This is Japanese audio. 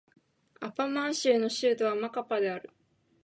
アマパー州の州都はマカパである